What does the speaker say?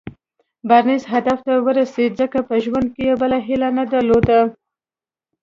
بارنس هدف ته ورسېد ځکه په ژوند کې يې بله هيله نه درلوده.